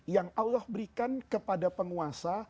yang allah berikan kepada penguasa